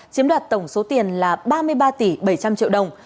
chiếm đoạt tổng số tiền là ba mươi ba tỷ bảy trăm linh triệu đồng